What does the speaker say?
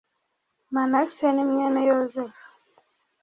manase nimwene yozefu .